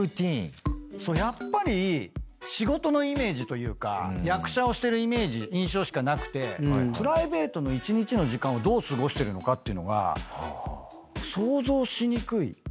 やっぱり仕事のイメージというか役者をしてるイメージ印象しかなくてプライベートの一日の時間をどう過ごしてるのかっていうのが想像しにくい。